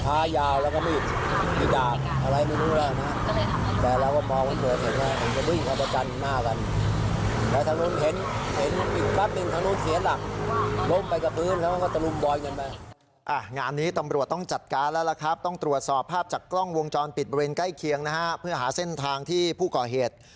งานนี้ตำรวจต้องจัดการแล้วล่ะครับต้องตรวจสอบภาพจากกล้องวงจรปิดบริเวณใกล้เคียงนะฮะเพื่อหาเส้นทางที่ผู้ก่อเหตุ